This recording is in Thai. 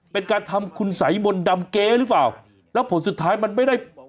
เป็นการทำคุณสัยมนต์ดำเก๊หรือเปล่าแล้วผลสุดท้ายมันไม่ได้